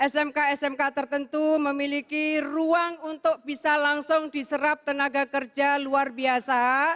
smk smk tertentu memiliki ruang untuk bisa langsung diserap tenaga kerja luar biasa